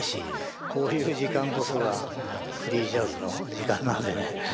こういう時間こそがフリージャズの時間なんでね。